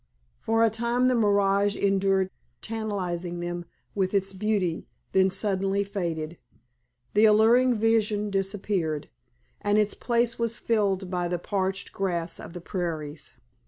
For a time the mirage endured, tantalizing them with its beauty, then suddenly faded, the alluring vision disappeared, and its place was filled by the parched grass of the prairies.